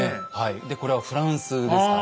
でこれはフランスですかね。